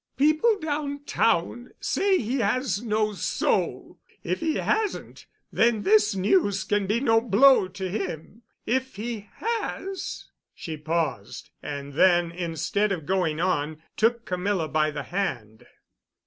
People downtown say he has no soul. If he hasn't, then this news can be no blow to him. If he has——" She paused. And then, instead of going on, took Camilla by the hand.